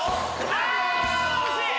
あ惜しい！